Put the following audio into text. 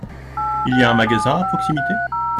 Il y a un magasin à proximité ?